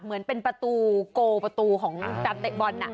เหมือนเป็นประตูโกประตูของการเตะบอล